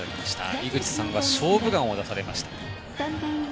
井口さんは「勝負眼」を出されました。